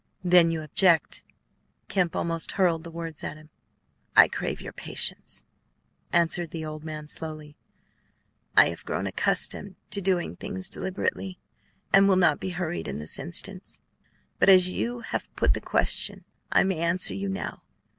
"Then you object?" Kemp almost hurled the words at him. "I crave your patience," answered the old man, slowly; "I have grown accustomed to doing things deliberately, and will not be hurried in this instance. But as you have put the question, I may answer you now.